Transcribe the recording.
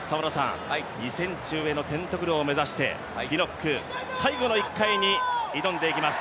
２ｃｍ上のテントグルを目指してピノック、最後の１回に挑んでいきます。